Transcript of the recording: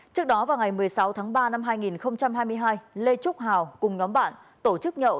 trước đó vào ngày một mươi sáu tháng ba năm hai nghìn hai mươi hai lê trúc hào cùng nhóm bạn tổ chức nhậu